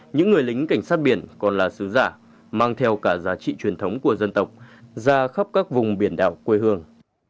những người lính cảnh sát biển còn là sứ giả mang theo cả giá trị truyền thống của dân tộc ra khắp các vùng biển đảo quê hương